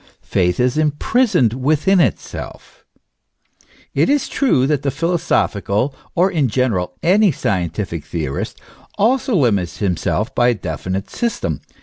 Faith is imprisoned within itself. It is true that the philosophical, or, in general, any scientific theorist, also limits himself by a definite system.